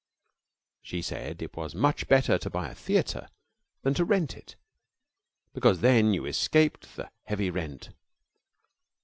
She said it was much better to buy a theater than to rent it, because then you escaped the heavy rent.